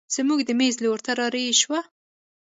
زموږ د مېز لور ته رارهي شوه.